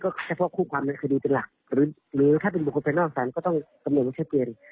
ก็แก้วว่าคู่ความในคดีเป็นหลักหรือถ้าเป็นบุคคลทางนอกศาลก็ต้องกำเนินแช่เปลี่ยน